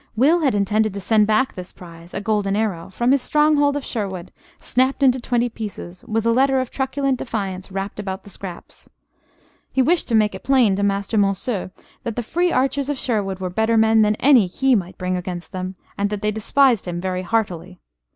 Will had intended to send back this prize a golden arrow from his stronghold of Sherwood, snapped into twenty pieces, with a letter of truculent defiance wrapped about the scraps. He wished to make it plain to Master Monceux that the free archers of Sherwood were better men than any he might bring against them, and that they despised him very heartily.